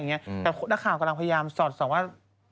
แต่ถ้าข่าวกำลังพยายามสอดสอดสอดว่า